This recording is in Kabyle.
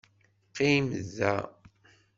Qqim da!